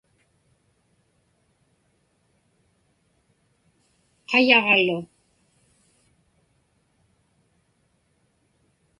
qayaġlu